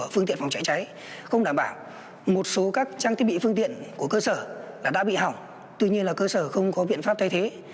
phương tiện phòng cháy cháy không đảm bảo một số các trang thiết bị phương tiện của cơ sở đã bị hỏng tuy nhiên là cơ sở không có biện pháp thay thế